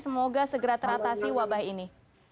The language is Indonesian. semoga segera teratasi wabah ini